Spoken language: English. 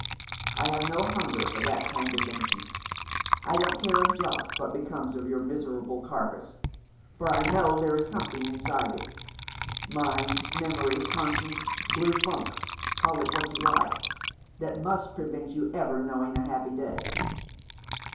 I have no hunger for that kind of venge ance. I don't care a jot what becomes of your miserable carcase, for I know there is something inside it — mind, memory, conscience, blue funk — call it what you like — that must prevent your ever knowing a happy day.